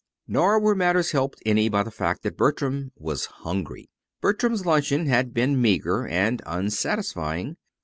Nor were matters helped any by the fact that Bertram was hungry. Bertram's luncheon had been meager and unsatisfying.